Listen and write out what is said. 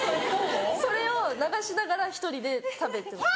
それを流しながら１人で食べてます。